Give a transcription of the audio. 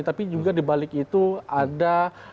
tapi juga dibalik itu ada protestasi politik